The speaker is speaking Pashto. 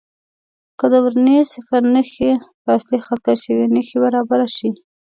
که د ورنیې د صفر نښه پر اصلي خط کش یوې نښې برابره شي.